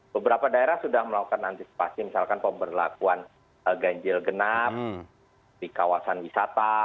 beberapa daerah sudah melakukan antisipasi misalkan pemberlakuan ganjil genap di kawasan wisata